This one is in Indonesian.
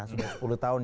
sudah sepuluh tahun